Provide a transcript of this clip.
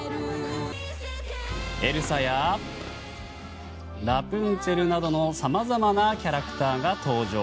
エルサや、ラプンツェルなどのさまざまなキャラクターが登場。